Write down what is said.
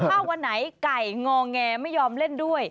ถ้าวันไหนไก่งอแงไม่ยอมเล่นด้วย